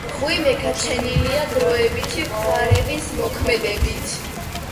მღვიმე გაჩენილია დროებითი ღვარების მოქმედებით.